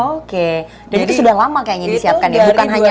oke jadi itu sudah lama kayaknya disiapkan ya bukan hanya dua ribu delapan